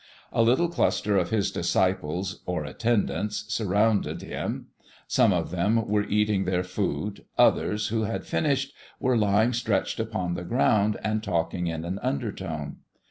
A little cluster of his disciples, or attendants, surrounded him; some of them were eating their food, others, who had finished, were lying stretched upon the ground talking in an undertone.